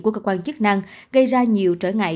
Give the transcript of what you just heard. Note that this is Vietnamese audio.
của cơ quan chức năng gây ra nhiều trở ngại